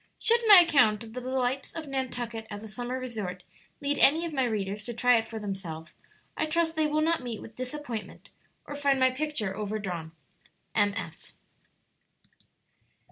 Should my account of the delights of Nantucket as a summer resort lead any of my readers to try it for themselves, I trust they will not meet with disappointment or find my picture overdrawn. M.